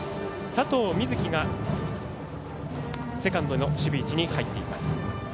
佐藤瑞祇がセカンドの守備位置に入っています。